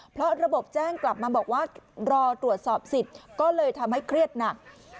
เพราะระบบแจ้งกลับมาบอกว่ารอตรวจสอบสิทธิ์ก็เลยทำให้เครียดหนัก